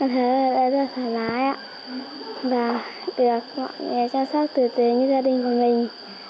con thấy rất là thoải mái và được mọi người chăm sóc tự tế như gia đình của mình